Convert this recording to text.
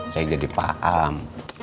saya jadi pak am